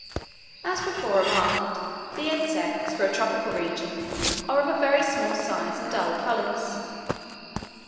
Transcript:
As before remarked, the insects, for a tropical region, are of very small size and dull colours.